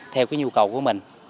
theo nhu cầu của mình